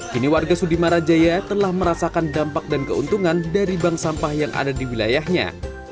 kini warga sudimarajaya telah merasakan dampak dan keuntungan dari bank sampah yang ada di wilayahnya